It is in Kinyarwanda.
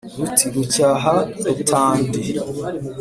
Ruti rucyaha Rutandi